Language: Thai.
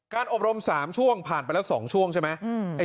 อบรม๓ช่วงผ่านไปแล้ว๒ช่วงใช่ไหม